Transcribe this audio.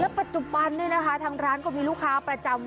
ปัจจุบันนี้นะคะทางร้านก็มีลูกค้าประจำ